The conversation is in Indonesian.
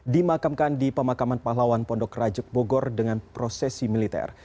dimakamkan di pemakaman pahlawan pondok rajuk bogor dengan prosesi militer